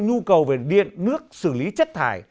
nhu cầu về điện nước xử lý chất thải